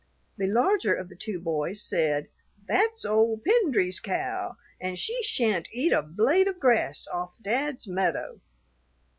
The larger of the two boys said, "That's old Pendry's cow, and she shan't eat a blade of grass off Dad's meadow."